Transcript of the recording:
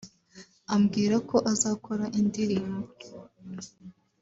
ambwira ko azakora indirimbo